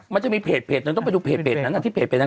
มันจะมีเพจต้องไปดูเพจนั้น